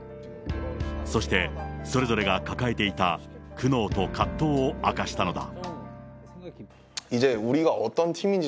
そして、それぞれが抱えていた苦悩と葛藤を明かしたのだ。